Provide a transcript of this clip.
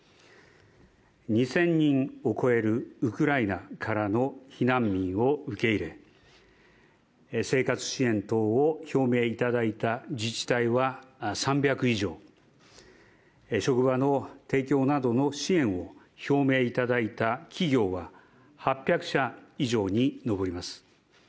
２０００人を超えるウクライナからの避難民を受け入れ、生活支援等を表明いただいた自治体は３００以上、職場の提供などの支援を表明いただいた企業は８００社以上に上ります。